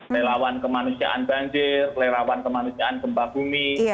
relawan kemanusiaan banjir relawan kemanusiaan gempa bumi